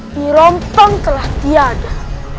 nyi romtong telah tiada